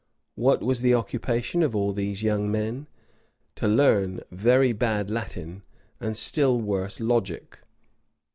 What was the occupation of all these young men? To learn very bad Latin, and still worse logic.